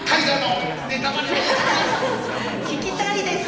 聞きたいです！